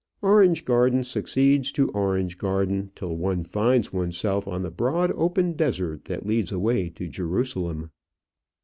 Orange garden succeeds to orange garden till one finds oneself on the broad open desert that leads away to Jerusalem.